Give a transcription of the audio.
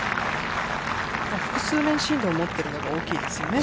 複数年シードを持っているのが大きいですよね。